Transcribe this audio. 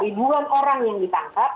ribuan orang yang ditangkap